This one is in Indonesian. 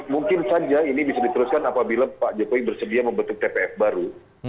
mungkin saja ini bisa diteruskan apabila pak jokowi bersedia membentuk tpf baru